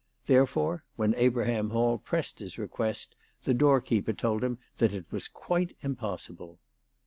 Therefore, when Abraham Hall pressed his request the door keeper told him that it was quite impossible.